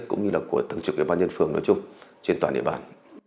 cũng như là của từng trực ủy ban nhân phường nói chung trên toàn địa bàn